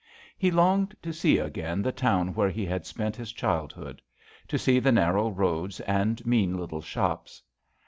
He longed to see again the town where he had spent his childhood : to see the narrow roads and mean little shops.